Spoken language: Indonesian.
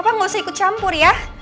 papa gak usah ikut campur ya